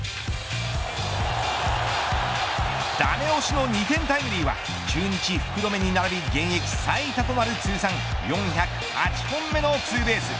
ダメ押しの２点タイムリーは中日、福留に並び現役最多となる通算４０８本目のツーベース。